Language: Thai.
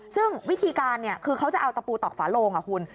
ซึ่งวิธีการคือเขาจะเอาตะปูตอกฝาโลงคุณ